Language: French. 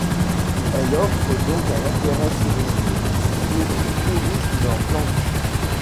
Elle offre donc un intérêt touristique pour le tourisme en Flandre.